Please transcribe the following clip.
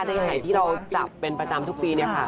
ยังไงที่เราจับเป็นประจำทุกปีเนี่ยค่ะ